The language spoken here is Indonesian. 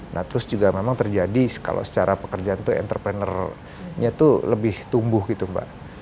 nah terus juga memang terjadi kalau secara pekerjaan tuh entrepreneur nya tuh lebih tumbuh gitu mbak